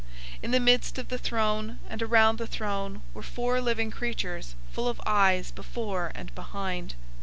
In the midst of the throne, and around the throne were four living creatures full of eyes before and behind.